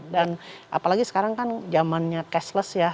dan apalagi sekarang kan zamannya cashless ya